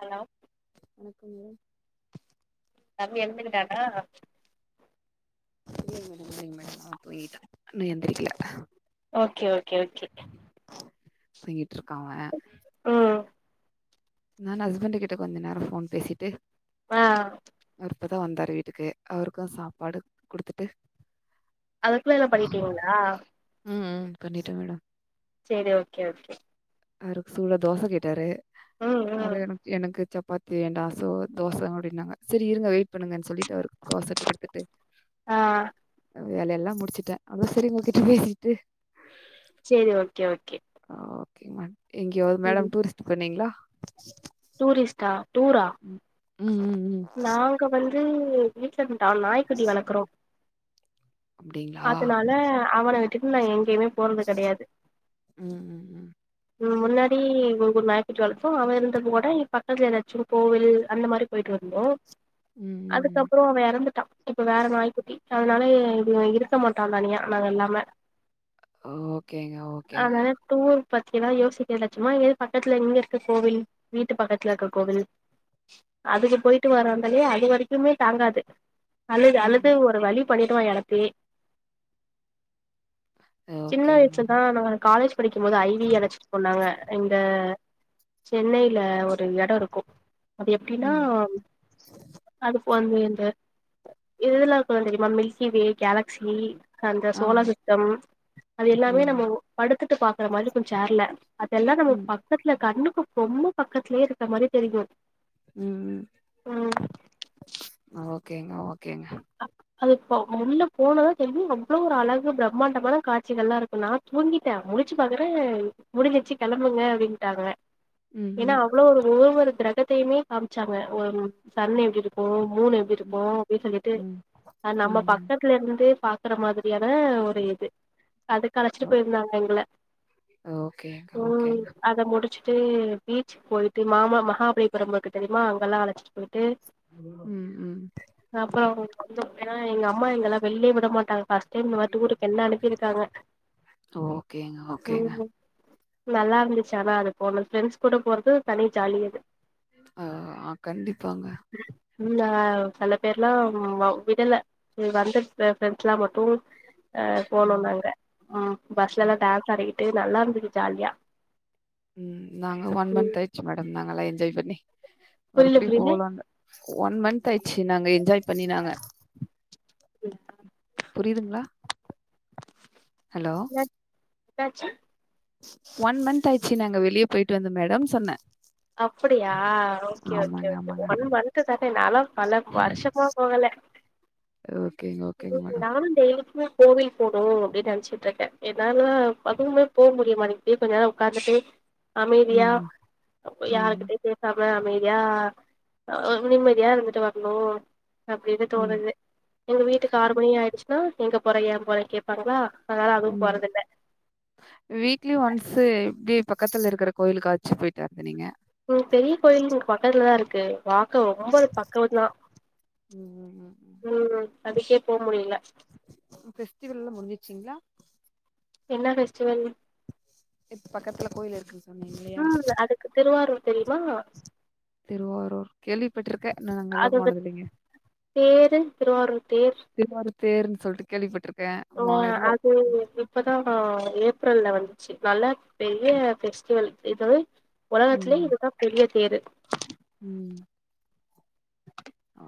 Hello வணக்கம்ங்க தம்பி எழுந்துக்கிட்டான்னா இல்லெங்க மேடம் இல்லெங்க மேடம் அவ தூங்கிடா இன்னு எந்திரிக்கல ஓகே ஓகே ஓகே தூங்கிட்ருக்கா அவ ம் நானு ஹஸ்பண்டு கிட்ட கொஞ்ச நேரோ ஃபோன் பேசிட்டு ஆ இப்போ தா வந்தாரு வீட்டுக்கு அவருக்கு சாப்பாடு குடுத்துட்டு அதுக்குள்ள எல்லா பண்ணிட்டீங்களா ம் ம் பண்ணிட்டே மேடம் செரி ஓகே ஓகே அவருக்கு சூடா தோச கேட்டாரு ம் ம் அவ்ரு எனக் எனக்கு சப் பாத்தி வேண்டா சோ தோச அப்டின்னாங்க செரி இருங்க வெயிட் பண்ணுங்க சொல்லிட்டு அவருக் தோஸ் சுட்டு குடுத்துட்டு ஆ வேல எல்லா முடிச்சுட்டே அதா செரி உங்ககிட்ட பேசிட்டு சேரி ஓகே ஓகே ஓகே மேம் எங்காயவ்து மேடம் டூரிஸ்ட் போண்ணீங்களா டூரிஸ்டா டூரா ம் ம் ம் நாங்க வந்து வீட்டுல இந்த டா நாய்க்குட்டி வளக்குறோ அப்டிங்களா அதுனால அவன விட்டுட்டு நா எங்கயுமே போறது கெடயாது ம் ம் ம் ம் முன்னாடி ஒரு நாய்க்குட்டி வளத்தோ அவ இருந்தது கூட பக்கத்துல ஏதாச்சு கோவில் அந்த மாரி போயிட்டு வரு ஓ ம்ம் அதுக்கப்புறோ அவ இறந்துட்டா இப்ப வேற நாய்க்குட்டி அதுனாலே இது இருக்க மாட்டா தனியா நாங்க இல்லாம ஓகேங்க ஓகேங்க அதனால டூர் பத்தி எல்லா யோசிக்கலட்சுமா ஏது பக்கத்துல எங்க இருக்கு கோவில் வீட்டு பக்கத்துல இருக்க கோவில் அதுகு போயிட்டு வர்றாருந்தாலயே அது வரைக்குமே தாங்காது அழுது ம். அழுது ஒரு வழி பண்ணிடுவா எடத்தயே சின்ன ஓகேங்க. வயசுதா நா காலேஜ் படிக்கும்போது ஐ வி அழைச்சிட் போனாங்க இந்த சென்னையில ஒரு எடம் இருக்கு அது எப்டின்னா ம். அதுக்கு வந்து இந்த அதெல்லா இருக்கு தெரியுமா மில்கி வே கேலக்ஸி அந்த ஆம். சோலார் சிஸ்டம் அது எல்லாமே ம். நம்ம படுத்துட்டு பாக்குற மாரி இருக்கு ச்சேர்ல அதெல்லா நம்ம ம். பக்கத்துல கண்ணுக்கு ரொம்ப பக்கத்துலயே இருக்க மாரி தெரியு ம், ம் ஓகேங்க ஓகேங்க அது ப முன்ன போனதுதா தெரியு அவ்ளோ ஒரு அழகு பிரம்மாண்டமான காட்சிகள்லா இருக்கு நா தூங்கிட்டே முழிச்சு பாக்குறே முடிஞ்சிடுச்சு களம்புங்க அப்டின்ட்டாங்க ஏன்னா ம்ஹ்ம். அவ்ளோ ஒரு ஒவ்வொரு கிரகத்தையுமே காமிச்சாங்க ஒரு சன் எப்டி இருக்கு மூன் எப்டி இருக்கு ம். அப்டி சொல்லிட்டு ம். ம். அ நம்ம ம். பக்கத்துல இருந் தே பாக்குற மாதிரியான ஒரு இது அதுக் கு அழச்சிட்டு ஓ போயிருந்தாங்க எங்கள, ஓகேங்க, ம், ஓகேங்க. அ த முடிச்சுட்டு பீச்சுக்கு போயிட்டு மாமா மகாபலிபுரம் இருக்கு தெரியுமா அங்கெல்லா அழைச்சிட்டு போயிட்டு ம் ம். அப்பறோ வந்தோ ஏன்னா எங்க அம்மா எங்கள வெளிலயே விட மாட்டாங்க ஃப ஸ்ட் டைம் இந்தமாரி டூருக்கு என்ன அனுப்பியிருக்காங்க, ஓகேங்க, ஓகேங்க. ம் நல்லா இருந்துச்சு ஆனா அது போனோ ஃப்ரெண்ட்ஸ் கூட போறது தனி ஜாலி அது அ ஆ கண்டிப்பாங்க ம், ஆ சில பேர்லா வ விடல சேரி வந்த ஃப்ரெண்ட்ஸ் எல்லா மட்டு அ போனோ ம், நாங்க ம் பஸ்லலா ம். டான்ஸ் ஆடிகிட்டு நல்லா இருந்துது ஜாலியா ம், நாங்க ஒன் ம் மந்த் ஆயிடுச்சு மேடம் நாங்கல்லா என்ஜாய் பண்ணி புரில மறுபடியு புரில போவலா இல்ல ஒன் மந்தாயிச்சு நாங்க என்ஜாய் பண்ணி நாங்க புரியுதுங்களா ஹலோ! என்ன என்னாச்சு ஒன் மந்த் ஆயிடுச்சு நாங்க வெளியே போயிட்டு வந்து மேடம் சொன்னே அப்படியா ஓகே ஓகே ஆமாங்க, ஓகே ஆமாங்க. ஒன் மந்த் தானே நான்லா பல வருஷமா போகல ஓகேங்க ஓகேங்க ம் மேடம் நானு டெய்லிக்குமே கோவில் போணு அப்டின்னு நெனைச்சிட்டு இருக்கே என்னால அதுவுமே போவ முடிய மாட்டிங் அப்டியே கொஞ்ச நேரம் உக்காந்துட்டு அமைதியா ம். அ ம். யாருக்கிட்டயு பேசாம அமைதியா நிம்மதியா இருந்துட்டு வரணு அப்டின்னு ம். தோணுது எங்க வீட்டுக்கு ஆறு மணி ஆயிடுச்சுனா எங்க போற ஏ போறேனு கேப்பாங்களா அதனால அதுவு ம். போறதில்ல வீக்லி ஒன்ஸ் இப்டி பக்கத்துல இருக்கற கோயிலுக்காச்சு போயிட்டு வர்றது நீங்க ம் பெரிய கோயில் இங்க பக்கத்துலதா இருக்கு வாக்க ரொம்ப அது பக்கம்தா, ம். ம். ம், அதுக்கே போ முடில ஃபெஸ்டிவல்லா முடிஞ்சிருச்சிங்களா என்ன ஃபெஷ்டிவல் இப்ப பக்கத்துல கோயில் இருக்கு ம், அதுக்கு திருவாரூர் தெரியுமா திருவாரூர் கேள்விப்பட்டுருக்க இன்னு அங்கல்லா அதோட போனதுல்லைங்க தேரு திருவாரூர் தேர் திருவாரூர் தேர் ன் சொல்ட்டு கேள்விப்பட்ருக் ஓ அது எப்டி இப்பதா ஏப்ரல்ல வந்துச்சு நல்லா பெரிய பெஸ்டிவல் இது உலகத்துலே ம். இதுதான் பெரிய தேரு ம்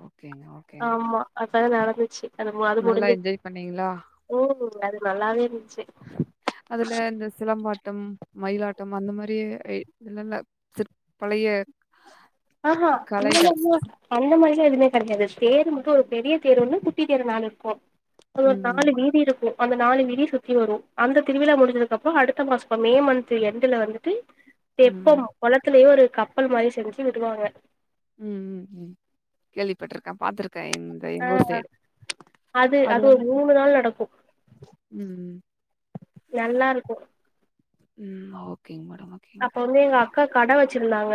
ஓகேங்க, ஓகேங்க மேடம். ஆமா அதான நடந்துச்சு அந்த மாது நல்லா முடிஞ்சு என்ஜாய் பண்ணீங்களா? ஓ அது நல்லாவே இருந்துச்சு அதுல இந்த சிலம்பாட்டம் மயிலாட்டம் அந்த மாரி இல்ல இல்ல சிற் பழைய ஆஹா கலைகள். [unintelligible] அந்த மாதிரியே எதுமே கெடையாது தேரு மட்டும் ஒரு பெரிய தேரு ஒன்னு குட்டி தேரு நாலு இருக்கும் ஒ ம். நாலு வீதி இருக்கு அந்த நாலு வீதி சுத்தி வரும் அந்த திருவிழா முடிஞ்சதுக்கு அப்புறம் அடுத்த மாசம் மே மந்த் எண்டுல வந்துட்டு ம். தெப்பம் குளத்துலயே ஒரு கப்பல் மாரி செஞ்சு விடுவாங்க உம் உம் உம் கேள்விப்பட்ருக்கே பாத்துருக்கேன் அ அது அது ஒரு மூணு நாள் நடக்கும் உம் உம் நல்லா இருக்கும் ம் ஓகேங்க மேடம் ஓகேங்க அப்ப மேடம். வந்து எங்க அக்கா கட வச்சிருந்தாங்க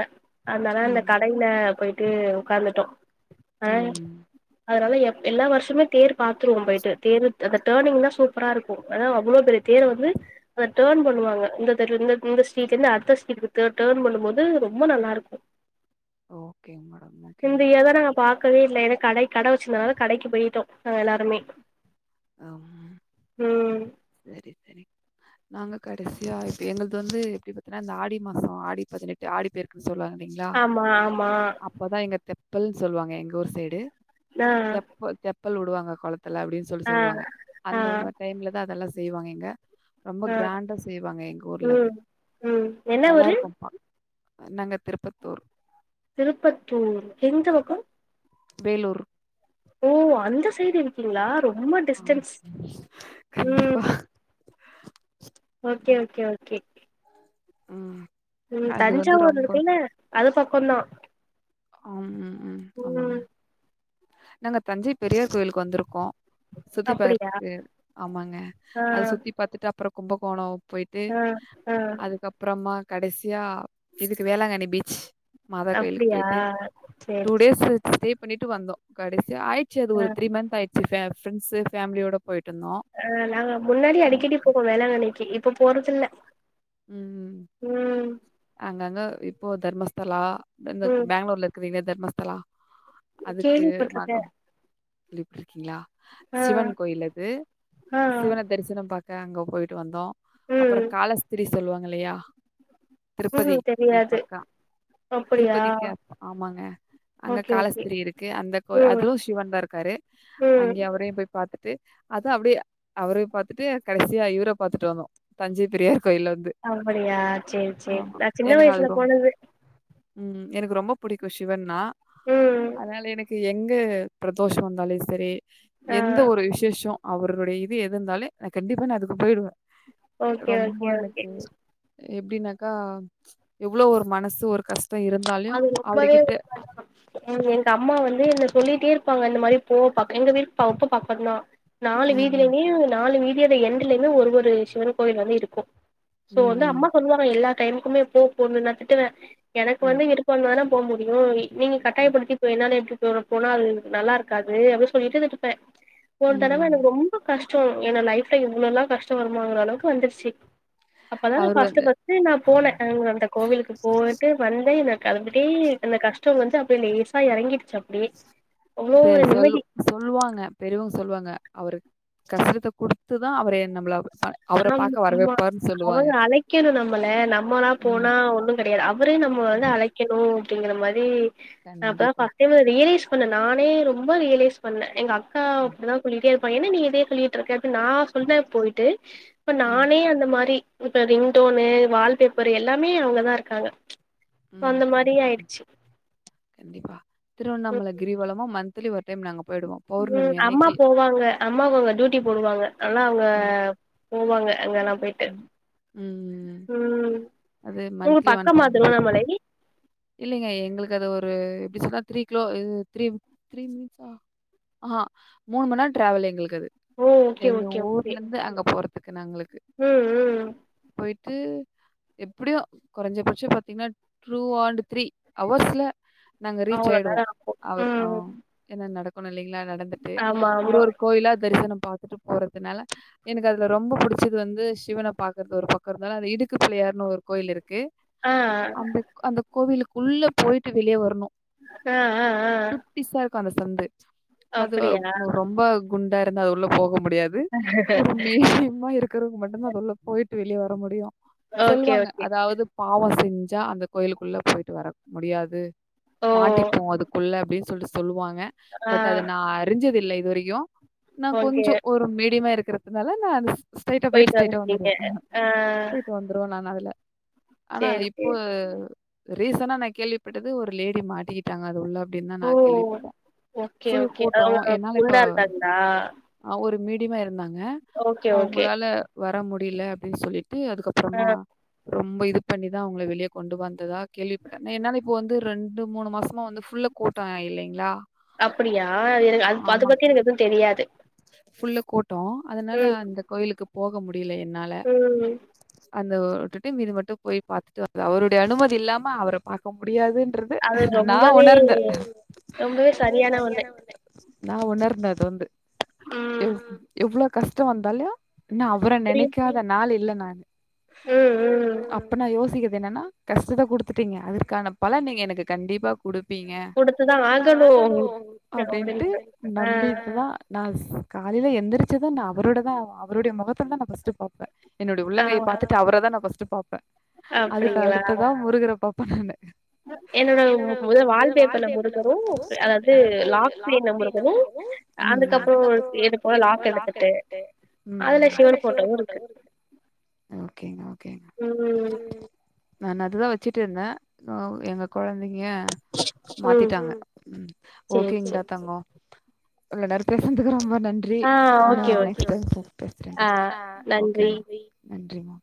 அதனால அந்த ம் கடையி ல போயிட்டு உக்காந்துட்டோம் ஆ ம் அதனால எ எல்லா வருஷமே தேர் பாத்துருவோம் போயிட்டு தேரு அந்த டேர்னிங் தா சூப்பரா இருக்கும் அதான் அவ்வளோ பெரிய தேர வந்து அத டர்ன் பண்ணுவாங்க இந்த தெருவுல இருந்து இந்த சை ஸீட்லருந்து அடுத்த ஸீட் டர்ன் டர்ன் பண்ணும் போது ரொம்ப நல்லா இருக்கும் ஓகேங்க மேடம் ஓகேங்க மேடம் க்கவே இல்ல ஏன்னா கடை கட வச்சிருந்தனால கடைக்கு போயிட்டோம் நாங்க எல்லாருமே ஆம் உம் சரி சரி நாங்க கடைசியா இப்ப எங்கள்து வந்து எப்படி பாத்தீங்கன்னா இந்த ஆடி மாசம் ஆடி பதினெட் ஆடி பெருக்குன்னு சொல்லுவாங்க இல்லைங்களா ஆமா ஆமா அப்பதா எங்க தெப்பல்ன்னு சொல்லுவாங்க எங்க ஊர் சைடு ஆ தெப்ப தெப்பல் வுடுவாங்க குளத்துல அப்படின் சொல்லி ஆ சொல்லுவாங்க ஆ அந்த டைம்ல தா அதெல்லாம் செய்வாங்க இங்க ரொம்ப ஆ கிராண்டா செய்வாங்க எங்க ஊர்ல அது ம் ம் என்ன நல்லா ஊரு இருக்கும் பா அ நாங்க திருப்பத்தூர் திருப்பத்தூர் எந்த பக்கம் வேலூர் ஓ அந்த சைடு இருக்கீங்களா ரொம்ப டிஸ்டன்ஸ் ஆமா. உம் கண்டிப்பா. ஓகே ஓகே ஓகே உம் உம் தஞ்சாவூர் இருக்குல்ல அது பக்கம்தா ஆம் உம் உம் ஆமாங்க ம் நாங்க தஞ்சை பெரியார் கோயிலுக்கு வந்துருக்கோம் சுத்தி அப்டியா பாத்து ஆமாங்க ஆ அது சுத்தி பாத்துட்டு அப்புறம் கும்பகோணம் போயிட் டு ஆ ஆ அதுக்கப்புறமா கடைசியா இதுக்கு வேளாங்கண்ணி பீச் மாதா கோயிலுக்கு அப்டியா பேயிட்டு டூ சேரி டேஸ் ஸ்டே பண்ணிட்டு வந்தோ கடைசியா ஆயிச்சு அது ஆ ஒரு த்ரீ மந்த் ஆயி ச்சு பே ஃப்ரண்ட்ஸ் ஃபேமிலியோட போயிட்டு வந்தோம ஆ நாங்க முன்னாடி அடிக்கடி போவோ வேளாங்கண்ணிக்கு இப்ப போறதில்ல ம் ம் அங்கங்க இப்போ தர்மஸ்தலா தந்த ம் பேங்ளூர்ல இரு க்கிறில தர்மஸ்தலா அதுக்கு கேள்விப்பட்ருக்கே கேள்விப்பட்ருக்கீங்ளா ஆ சிவன் கோயில் அது ஆ சிவன தரிசனம் பாக்க அங்க போயிட்டு வந்தோ அப்றோ ம் காலஸ்திரி சொல்லுவாங்க இல்லையா ம்ஹூ திருப்பதிக்கு தெரியாது பக்கோ அப்டியா திருப்பதிக்கு ஆமாங்க அங்க ஓகே ஓகே காலஸ்திரி இருக்கு அந்த கோ ம் அது சிவன் தா இருக்காரு ம் அங்கே அவரையு போய் பாத்துட்டு அதா அப்டியே அவரை பாத்துட்டு கடசியா இவரை பாத்துட்டு வந்தோ தஞ்சை பெரியார் கோயில்ல வந்து அப்படியா சேரி சேர் ஆமா நா சின்ன எனக்கு அது வயசுல ரொம் போனது ம் எனக்கு ரொம்ப புடிக்கு சிவன்னா ம் அதனால எனக்கு எங்க பிரதோஷ வந்தாலே சரி ஆ எந்த ஒரு விசேஷோ அவர்களுடைய இது எது இருந்தாலே நா கண்டிப்பா நா அதுக்கு போயிடுவே ஓகே ஓ ரொம்ப எனக்கு எப்டின்னாக்கா எவ்ளோ ஒரு மனசு ஒரு கஷ்டோ இருந் அது ரொம்பவே [inaudible] எ எங்க அம்மா வந்து என்ன சொல்லிட்டே இருப்பாங்க அந்த மாதிரி போ பக் எங்க வீட்டுக்கு ரொம்ப பக்கந்தா நாலு ம் வீதியிலயுமே நாலு வீதியோட எண்டுலயுமே ஒரு ஒரு சிவன் கோவில் வந்து இருக்கு சோ ம் வந்து அம்மா ம் சொல்லுவாங்க எல்லா டைமுக்குமே போ போணுன் நா திட்டுவே இப்ப வந்து விருப்பம் தான போ முடியு நீங்க ம் கட்டாயப்படுத்தி போய்றனால எப்டி இதோட போனா அது நல்லா இருக்காது அப்டி சொல்லிட்டே [unintelligible] போன ம் தடவ ம் எனக்கு ரொம் ப கஷ்டோ என்னோட லைப்ல இவ்ளல்லா கஷ்ட வருமாங்கற அளவுக்கு வந்துருச்சு அப்பதா நா அவரு ஃபஸ்ட்டு வந்து ஃபஸ்ட்டு நா போனே அந்த கோவிலுக்கு போயிட்டு வந்தே எனக்கு அத பத்தி அந்த கஷ்டோ வந்து அப்டியே லேசா எறங்கிடுச்சப் பே சொல்லு சொல்லுவாங்க பெரியவங்க சொல்லுவாங்க அவரு கஷ்டத்த குடுத்துதா அவரு நம்ள ஆமா ஆமா அவுங்க அழைக்கணு நம்மள நம்ளா ம் போனா ஒண்ணு கெடையாது அவரே நம்ம வந்து ம். அழைக்க கணு அப்டிங்கற மாரி நா அப்பதா கண்டிப்பா ஃப்ஸ்ட் டைம் அத ரியலைஸ் பண்ணே நானே ரொம்ப ரியலைஸ் பண்ணே எங்க அக்கா ம் அப்டிதா சொல்லிகிட்டே இருப்பா என்னா நீ இதே சொல்லி ட்ருக்க இப்ப நா சொல்வே போயிட்டு இப்ப ம் நானே அந்த மாரி இப்ப ரிங்டோனு வால் பேப்பர் எல்லாமே அவங்கதா இருக்காங்க சோ ம் அந்த ஓகே மாரி தா ஓகே தா ஆயிடுச்சு கண்டிப்பா ம் திருவண்ணாமல கிரிவலமு மந்த்லி ஒரு டைம் நாங்க போயிடுவோ அது பௌர்ணமி அம்மா அன்னைக்கு போவாங்க அம்மா அவுங்க டூட்டி போடுவாங்க ஆனா அவுங்க ம் போவாங்க அங்கலா போய் ட்டு ம் ம் ம் அது உங்களுக்கு பக்கமா திருவண்ணாமலை இல்லலைங்க எங்களுக்கு அது ஒரு எப்டி சொன்னா த்ரீ கிலோ இது த்ரீ த்ரீ மினிட்ஸா ஆ மூணு மண் நேரோ டிராவல் எங்களுக்கு அது ஓ ஓகே எங்க ஓகே ஓகே ஊர்ல இருந்து அங்க போறதுக்கு நாங்களுக்கு ம் ம் போயிட்டு எப்டியு கொறஞ்ச பட்சோ பாத்தீங்கன்னா ட்ரூ ஆன்டு த்ரீ அவர்ஸ்ல நாங்க ரீச் அவ்ளோ ஆயிடுவோ நேரோ அவரு ஆ ம் ஏனா நடக்கணு இல்லைங்களா நடந்துட்டு ஆமா ஒரு ஆமா ஒரு கோயிலா தரிசனம் பாத்துட்டு போறதுனால எனக்கு அதுல ரொம்ப புடிச்சது வந்து சிவன பாக்குறது ஒரு பக்கோ இருந்தாலு அது இடுக்கு பிள்ளையாருனு ஒரு கோயில் இருக்கு ஆ அந்த அந்த கோவிலுக்குள்ள போயிட்டு வெளியே வரணு அ அ ஆ பிஸா இருக்கு அந்த சந்து அது அப்டியா ரொம்ப குண்டா இருந்தா அது உள்ள போக முடியா து ஒரு மீடியமா இருக்கிறவங்க மட்டுதா அது உள்ள போயிட்டு வெளியே வர முடியு ஓகே சொல்லுவாங்க ஓகே அதாவது பாவொ செஞ்சா அந்த கோயிலுக்குள்ள போயிட்டு வர முடியாது ஓ மாட்டிப்போ அதுக்குள்ள அப்டின்னு சொல்ட்டு சொல்லுவாங்க ஆ பட் அது நா அறிஞ்சது இல்ல இதுவரையு நா ஓகே கொஞ்சொ ஒரு மீடியமா இருக்குறதுனால நா அது ஸ்டைடா போய்ட்டு போயிட்டு ஸ்டைடா வந்துட்டீங்க வந்துருவே ஆ போய்டு வந் துருவே நான் அதுல ஆனா சேரி இப்போ சேரி ரீசனா நா கேள்விப்பட்டது ஒரு லேடி மாட்டி கிட்டாங்க அது உள்ள அப்டின் தா ஓ நா கேள்விப்பட்டே ஓகே ஃபுல் ஓகே கூட்டோ அவங்க என்னால இப்ப குண்டா இருந்தாங்களா ஆ ஒரு மீடியமா இருந்தாங்க ஓகே ஓகே அவங்களால வர முடியில அப்டின்னு சொல்லிட் டு ஆ அதுக்கப்புறமா ரொம்ப இது பண்ணிதா அவங்கள வெளியே கொண்டு வந் ததா கேள்விப்பட்டே நே நால இப்ப வந்து ரெண்டு மூணு மாசமா வந்து ஃப் ஃபுல்லு கூட்டோ இல்லைங்களா அப்டியா எனக்கு அது அத ஆமாங் பத்தி எனக்கு எதுவு தெரியாது ஃபுல்லு கூட்டோ அதுனால ம் அந்த கோயிலுக்கு போக முடியல என்னால ம் அந்த டுட்டு மீது மட்டு போய் பாத்துட்டு வந்த அவருடைய அனுமதி இல்லாம அவர பாக்க முடியாதுன்ற அது வந்து ரொம்பவே ரொம்பவே சரியான ஒண்ணு நா உணர்ந்தே அது வந்து ம் எவ் எவ்ளோ கஷ்ட வந்தாலு நா அவர புரியுது நெனைக்காத நாள் இல்ல நான் ம் ம் அப்ப நா யோசிக்கது என்னன்னா கஷ்டத குடுத்துட்டீங்க அதுக்கான பலன் நீங்க எனக்கு கண்டிப்பா குடுப்பீங்க குடுத்துதா ஆகணு அப்டின்ட்டு அப்டின்ற ஆ நம்பிடுதா நா சு காலையில எந்திரிச்சதது நா அவரோட தா அவருடைய முகத்துல தா நா ஃபஸ்ட்டு பாப் பே என்னுடைய ஆ உள்ளங்கைய பாத்தட்டு அவரதா நா ஃபஸ்ட் பாப்பே அப்டிங்களா அதுக்கடுத்துதா முருகர பாப் ப நானு என்னோட முதல் வால் பேப்பர்ல முருகரு அதாவது லாக் ஸ்கிரீன்ல முருகரு ம் அதுக்கப்புறோ எது போற லாக் எடுத்துட்டு அதுல சிவன் ஃபோட்டவு இருக்கு ஓகேங்க ஓகேங்க ம் நான் அதுதா வெச்சிட்டு இருந்தே தோ எங்க குழந்தைங்க ம் மாத்திட்டாங்க ம் சேரி ஓகேங்களா சேரி தங்கோ கொஞ்ச நேர் பேசுனதுக்கு ரொம்ப நன்றி ஆ okay okay next time call ஆ பேசுறேங்க்கா நன்றி ஓகேங் நன்றிமா